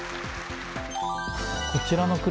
こちらの車